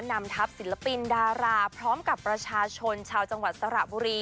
นำทัพศิลปินดาราพร้อมกับประชาชนชาวจังหวัดสระบุรี